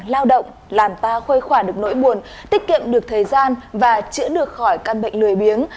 lao động làm ta khuê khỏa được nỗi buồn tiết kiệm được thời gian và chữa được khỏi căn bệnh lời biếng